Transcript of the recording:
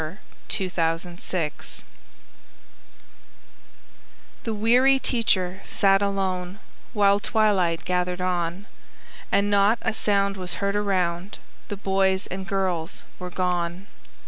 _ The Teacher's Dream The weary teacher sat alone While twilight gathered on: And not a sound was heard around, The boys and girls were gone.